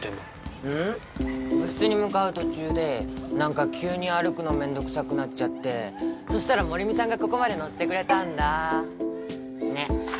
部室に向かう途中でなんか急に歩くのめんどくさくなっちゃってそしたら守見さんがここまで乗せてくれたんだねっ？